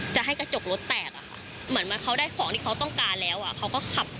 จะให้กระจกรถแตกอะค่ะเหมือนเขาได้ของที่เขาต้องการแล้วอ่ะเขาก็ขับ